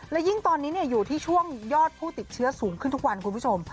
และยิ่งตอนนี้อยู่ที่ช่วงยอดผู้ติดเชื้อสูงขึ้นทุกวันคุณผู้ชม